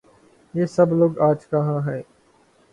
یہ سب لوگ آج کہاں ہیں؟